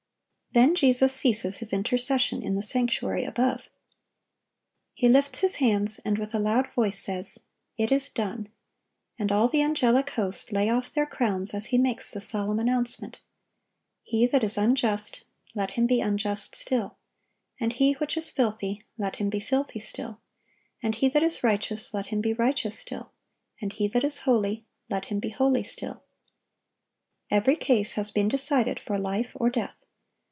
Then Jesus ceases His intercession in the sanctuary above. He lifts His hands, and with a loud voice says, "It is done;" and all the angelic host lay off their crowns as He makes the solemn announcement: "He that is unjust, let him be unjust still: and he which is filthy, let him be filthy still: and he that is righteous, let him be righteous still: and he that is holy, let him be holy still."(1054) Every case has been decided for life or death.